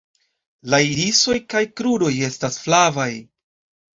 La irisoj kaj kruroj estas flavaj.